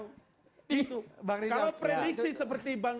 kalau prediksi seperti